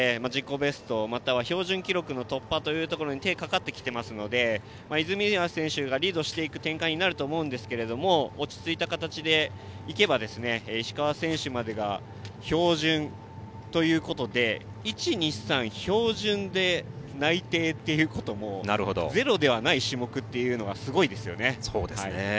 ベストまたは標準記録の突破に手がかかってきていますので泉谷選手がリードしていく展開になると思うんですが落ち着いた形でいけば石川選手までが標準ということで１、２、３位が標準で内定ということもゼロではない種目というのがすごいですね。